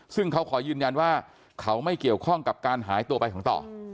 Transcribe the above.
ซึ่งเขาขอยืนยันว่าเขาไม่เกี่ยวข้องกับการหายตัวไปของต่อ